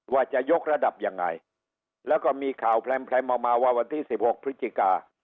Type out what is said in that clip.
ว่าจะยกระดับยังไงแล้วก็มีข่าวแพร่มออกมาว่าวันที่๑๖พฤศจิกา